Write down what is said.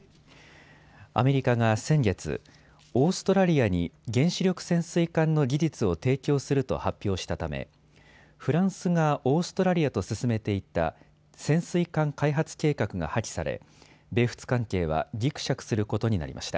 アメリカが先月オーストラリアに原子力潜水艦の技術を提供すると発表したためフランスがオーストラリアと進めていた潜水艦開発計画が破棄され米仏関係はぎくしゃくすることになりました。